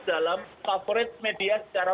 dalam favorit media secara